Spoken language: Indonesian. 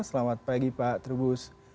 selamat pagi pak trubus